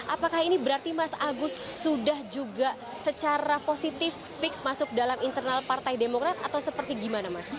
apakah ini berarti mas agus sudah juga secara positif fix masuk dalam internal partai demokrat atau seperti gimana mas